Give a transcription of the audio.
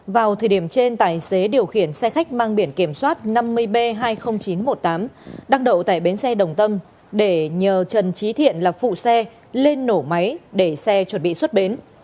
vào thời điểm trên tài xế điều khiển xe khách mang biển kiểm soát năm mươi b hai mươi nghìn chín trăm một mươi tám đang đậu tại bến xe đồng tâm để nhờ trần trí thiện là phụ xe lên nổ máy để xe chuẩn bị xuất bến